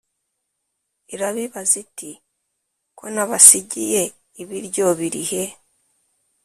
irabibaza iti «ko nabasigiye ibiryo birihe